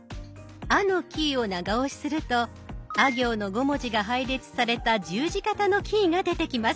「あ」のキーを長押しするとあ行の５文字が配列された十字形のキーが出てきます。